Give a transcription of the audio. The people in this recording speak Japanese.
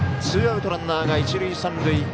ツーアウト、ランナー、一塁三塁。